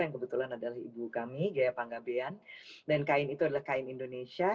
yang kebetulan adalah ibu kami gaya panggabean dan kain itu adalah kain indonesia